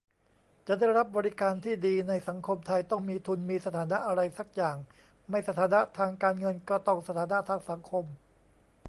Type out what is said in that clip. จะได้รับบริการที่ดีในสังคมไทย ต้องมีทุนมีสถานะอะไรซักอย่าง ไม่สถานะทางการเงิน ก็ต้องสถานะทางสังคม